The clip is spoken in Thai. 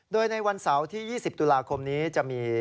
โดยในวันสาวที่๒๐ตุลาคมนี้